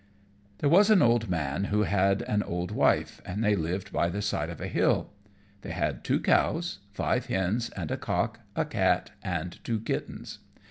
_ There was an old man who had an old wife, and they lived by the side of a hill. They had two cows, five hens and a cock, a cat and two kittens.